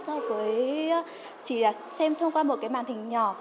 so với chỉ xem thông qua một cái màn hình nhỏ